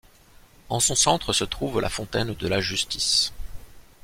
En son centre se trouve la fontaine de la Justice.